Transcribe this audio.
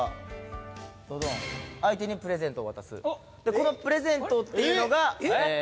このプレゼントっていうのが。